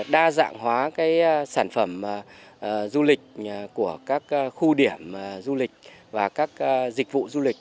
đa dạng hóa sản phẩm du lịch của các khu điểm du lịch và các dịch vụ du lịch